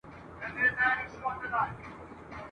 را ایستل یې رنګ په رنګ داسي ږغونه ..